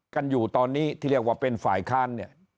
กันอยู่ตอนนี้ที่เรียกว่าเป็นฝ่ายค้านเนี่ย